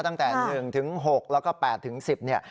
ตั้งแต่๑๖แล้วก็๘๑๐เนี่ย